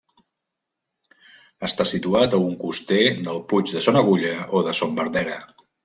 Està situat a un coster del Puig de Son Agulla o de Son Verdera.